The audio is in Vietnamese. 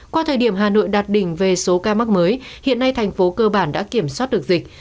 qua thời điểm hà nội đạt đỉnh về số ca mắc mới hiện nay thành phố cơ bản đã kiểm soát được dịch